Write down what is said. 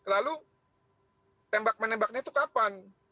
lalu tembak menembaknya itu kapan